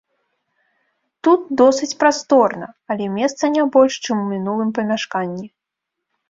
Тут досыць прасторна, але месца не больш, чым у мінулым памяшканні.